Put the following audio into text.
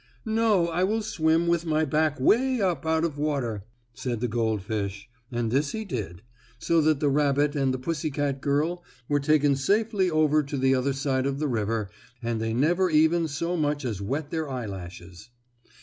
"No, I will swim with my back away up out of water," said the goldfish, and this he did, so that the rabbit and the pussy girl were taken safely over to the other side of the river and they never even so much as wet their eyelashes.